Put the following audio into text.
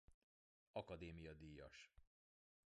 Akadémia díjas.